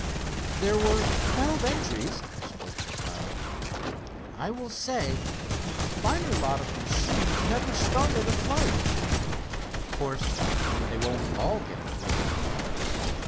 "There were twelve entries," spoke their pilot. "I will say, a finer lot of machines never started a flight. Of course they won't all get through."